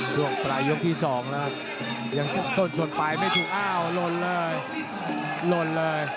ช่วงปลายยกที่สองแล้วยังต้นชนปลายไม่ถูกอ้าวหล่นเลยหล่นเลย